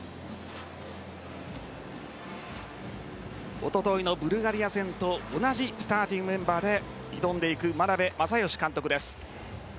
一昨日のブルガリア戦と同じスターティングメンバーで挑んでいく眞鍋政義監督です。